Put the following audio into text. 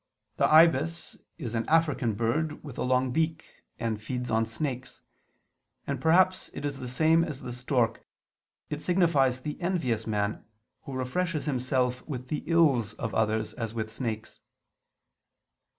The ibis is an African bird with a long beak, and feeds on snakes; and perhaps it is the same as the stork: it signifies the envious man, who refreshes himself with the ills of others, as with snakes.